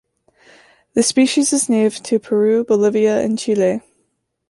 The species is native to Peru, Bolivia and Chile.